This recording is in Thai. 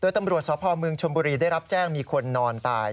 ตำรวจสพเมืองชมบุรีได้รับแจ้งมีคนนอนตาย